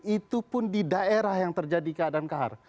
itu pun di daerah yang terjadi keadaan kahar